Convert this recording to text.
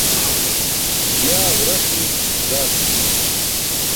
Yaa ġuraṣ niic gaarcum juwan